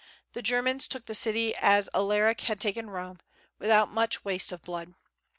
The Germans took the city as Alaric had taken Rome, without much waste of blood.